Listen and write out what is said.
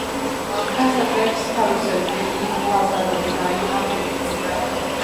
ფასადებს თაროსებრი ლავგარდანი აგვირგვინებდა.